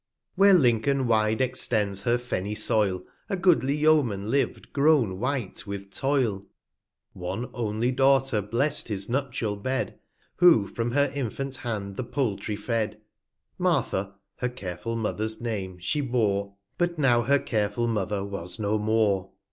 r^ Where Lincoln wide extends her fenny Soil, ' A goodly Yeoman liv'd grown white with Toil; One only Daughter blest his nuptial Bed, 225 Who from her infant Hand the Poultry fed: Martha (her careful Mother's Name) she bore, But now her careful Mother was no more.